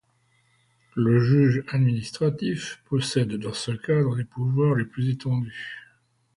Le juge administratif possède dans ce cadre des pouvoirs les plus étendus.